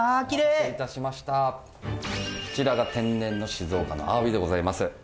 こちらが天然の静岡のあわびでございます。